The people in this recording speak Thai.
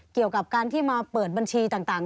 เกี่ยวกับการที่มาเปิดบัญชีต่าง